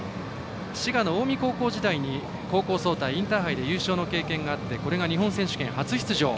滋賀の近江高校時代に高校総体、インターハイ優勝の経験があってこれが日本選手権初出場。